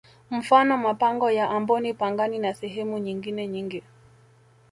Mfano mapango ya amboni pangani na sehemu nyingine nyingi